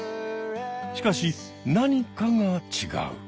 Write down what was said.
しかし何かが違う。